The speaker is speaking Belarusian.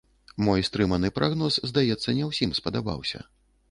Мой стрыманы прагноз, здаецца, не ўсім спадабаўся.